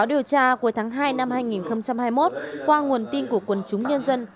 điều tra của tháng hai năm hai nghìn hai mươi một qua nguồn tin của quân chúng nhân dân